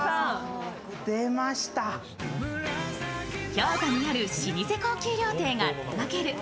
京都にある老舗高級料亭が手がける